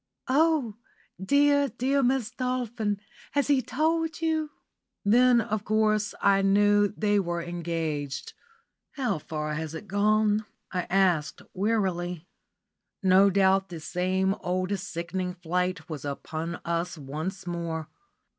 "Oh, dear, dear Mrs. Dolphin, has he told you?" Then, of course, I knew they were engaged. "How far has it gone?" I asked wearily. No doubt the same old, sickening flight was upon us once more.